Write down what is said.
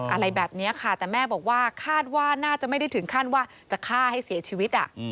อะไรแบบนี้ค่ะแต่แม่บอกว่าคาดว่าน่าจะไม่ได้ถึงขั้นว่าจะฆ่าให้เสียชีวิต